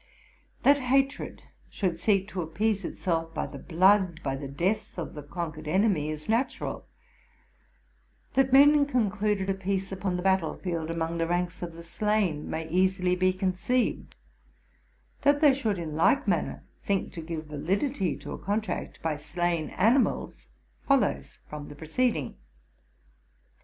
That hatred should seek to appease itself by the blood, by 112 TRUTH AND FICTION ne death, of the conquered: enemy, is natural; that men concluded a peace upon the battle field among the ranks of the slain may easily be conceived; that they should in like manner think to give validity to a contract by slain animals, follows from the preceding.